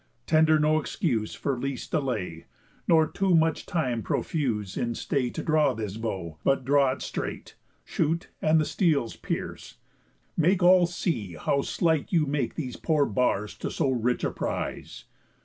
—tender no excuse For least delay, nor too much time profuse In stay to draw this bow, but draw it straight, Shoot, and the steels pierce; make all see how slight You make these poor bars to so rich a prize.